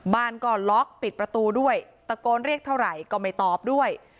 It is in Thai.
บ้านก็ล็อกปิดประตูด้วยตะโกนเรียกเท่าไหร่ก็ไม่ตอบด้วย